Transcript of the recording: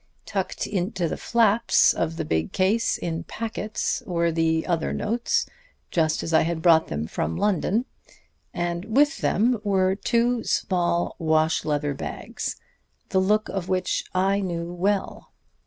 "Tucked into the flaps of the big case in packets were the other notes, just as I had brought them from London. And with them were two small wash leather bags, the look of which I knew well.